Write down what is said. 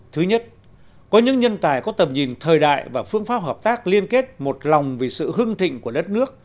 thứ nhất có những nhân tài có tầm nhìn thời đại và phương pháp hợp tác liên kết một lòng vì sự hưng thịnh của đất nước